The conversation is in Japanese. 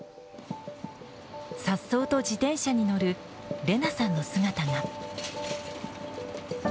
さっそうと自転車に乗るレナさんの姿が。